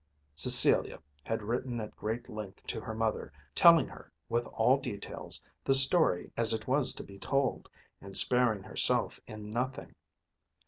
Cecilia had written at great length to her mother, telling her with all details the story as it was to be told, and sparing herself in nothing.